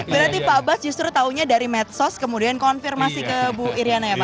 berarti pak abbas justru tahunya dari medsos kemudian konfirmasi ke bu iryana ya pak